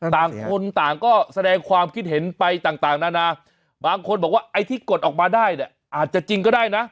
ต่างคนต่างก็แสดงความคิดเห็นไปต่างนานาบางคนบอกว่าไอ้ที่กดออกมาได้เนี่ยอาจจะจริงก็ได้นะ